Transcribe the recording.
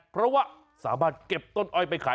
เพราะว่าสามารถเก็บต้นอ้อยไปขาย